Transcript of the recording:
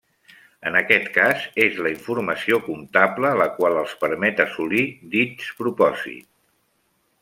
En aquest cas és la informació comptable la qual els permet assolir dits propòsit.